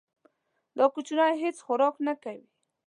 دا کوچنی هیڅ خوراک نه کوي.